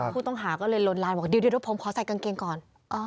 ผู้ต้องหาก็เลยลนลานบอกเดี๋ยวผมขอใส่กางเกงก่อน